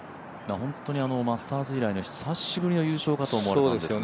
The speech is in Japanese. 本当にマスターズ以来の久しぶりの優勝かと思われたんですが。